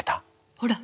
ほら。